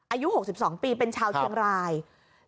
อายุหกสิบสองปีเป็นชาวเทียงรายครับ